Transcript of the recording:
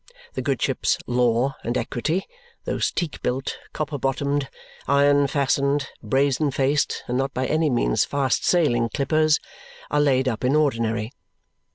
The good ships Law and Equity, those teak built, copper bottomed, iron fastened, brazen faced, and not by any means fast sailing clippers are laid up in ordinary.